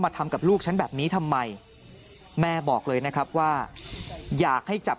ทำกับลูกฉันแบบนี้ทำไมแม่บอกเลยนะครับว่าอยากให้จับ